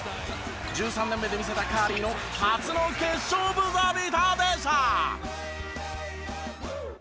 １３年目で見せたカリーの初の決勝ブザービーターでした！